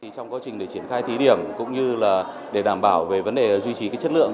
trong quá trình để triển khai thí điểm cũng như để đảm bảo về vấn đề duy trì chất lượng